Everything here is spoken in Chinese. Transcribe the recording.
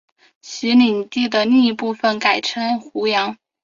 其领地的另一部分改称湖阳。